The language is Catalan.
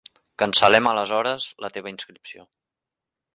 Cancel·lem aleshores la teva inscripció.